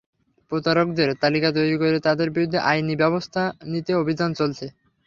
প্রতারকদের তালিকা তৈরি করে তাদের বিরুদ্ধে আইনি ব্যবস্থা নিতে অভিযান চলছে।